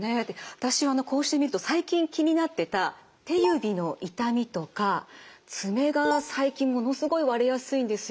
私こうして見ると最近気になってた手指の痛みとか爪が最近ものすごい割れやすいんですよ。